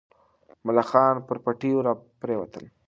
ملخان پر پټیو راپرېوتل.